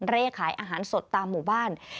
เลขขายอาหารสดตามหมู่บ้าน